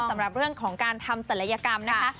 สำหรับเรื่องของการทำศัลยกรรมนะคะ